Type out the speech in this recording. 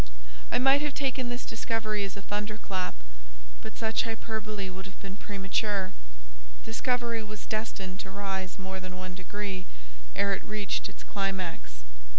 I might have taken this discovery as a thunder clap, but such hyperbole would have been premature; discovery was destined to rise more than one degree, ere it reached its climax.